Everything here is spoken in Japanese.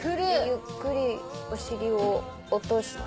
ゆっくりお尻を落として。